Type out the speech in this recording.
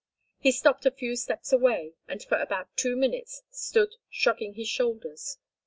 He stopped a few steps away and for about two minutes stood shrugging his shoulders.